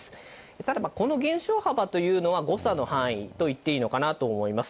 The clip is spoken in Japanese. ただ、この減少幅というのは、誤差の範囲と言っていいのかなと思います。